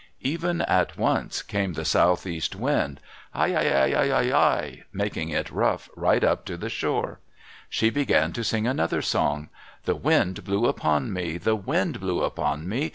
Even at once came the Southeast wind, "Hi hi hi hi hi hi," making it rough right up to the shore. She began to sing another song. "The wind blew upon me! The wind blew upon me!